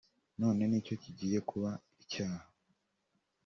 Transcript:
none ni cyo kigiye kuba icyaha